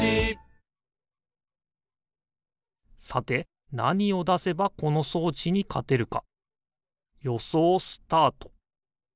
さてなにをだせばこのそうちにかてるかよそうスタート！